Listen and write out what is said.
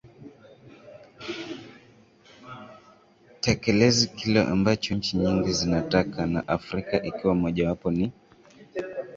tekelezi kile ambacho nchi nyingi zinataka na afrika ikiwa moja wapo ni